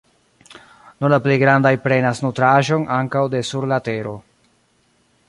Nur la plej grandaj prenas nutraĵon ankaŭ de sur la tero.